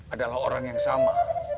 adalah orang yang sama